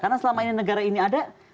karena selama ini negara ini ada